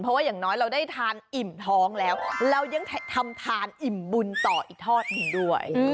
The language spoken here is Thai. เพราะอย่างน้อยเราได้ทานอิ่มท้องแล้ว